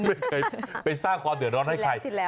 ไม่เคยไปสร้างความเดือดร้อนให้ใคร